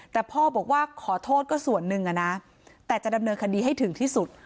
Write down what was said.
แต่พ่อบอกว่าขอโทษก็ส่วนหนึ่งอะนะแต่จะดำเนินคดีให้ถึงที่สุด